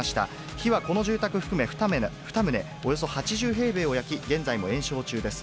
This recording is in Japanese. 火はこの住宅含め２棟、およそ８０平米を焼き、現在も延焼中です。